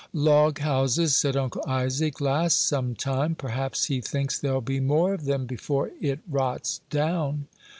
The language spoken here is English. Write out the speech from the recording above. "Log houses," said Uncle Isaac, "last some time; perhaps he thinks there'll be more of them before it rots down."